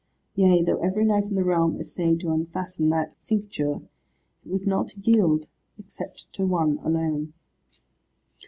Yea, though every knight in the realm essayed to unfasten that cincture, it would not yield, except to one alone.